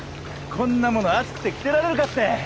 こんなもの暑くて着てられるかって。